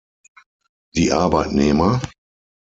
Die Arbeitnehmer?